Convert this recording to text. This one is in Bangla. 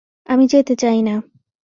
আমি যেতে চাই না।